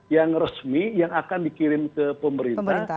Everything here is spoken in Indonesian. yang resmi yang akan dikirim ke pemerintah